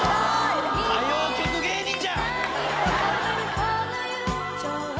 歌謡曲芸人じゃ！